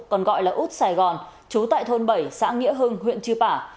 còn gọi là út sài gòn trú tại thôn bảy xã nghĩa hưng huyện chư pả